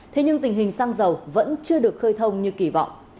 thế nhưng tình hình xăng dầu vẫn chưa được khơi thông như kỳ vọng